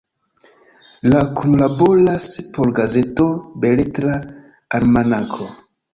Li kunlaboras por gazeto Beletra Almanako.